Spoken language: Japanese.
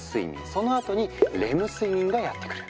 そのあとにレム睡眠がやって来る。